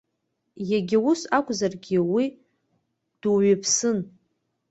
Егьа ус акәзаргьы, уи дуаҩԥсын.